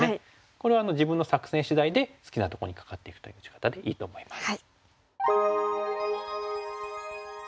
これは自分の作戦しだいで好きなとこにカカっていくという打ち方でいいと思います。